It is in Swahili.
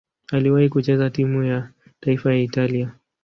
Aliwahi kucheza timu ya taifa ya Italia.